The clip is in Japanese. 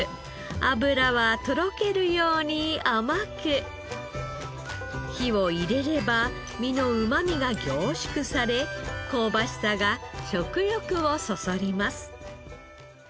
脂はとろけるように甘く火を入れれば身のうまみが凝縮され香ばしさが食欲をそそります。